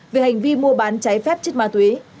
về hành vi mua bán trái phép chất ma túy